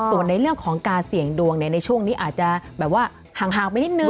ส่วนในเรื่องของการเสี่ยงดวงในช่วงนี้อาจจะแบบว่าห่างไปนิดนึ